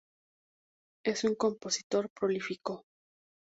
Es un compositor prolífico.